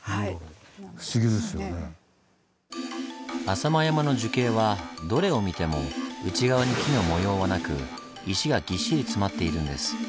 浅間山の樹型はどれを見ても内側に木の模様はなく石がぎっしり詰まっているんです。